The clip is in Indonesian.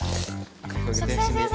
sukses ya sayang